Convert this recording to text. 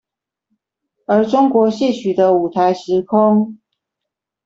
而中國戲曲的舞臺時空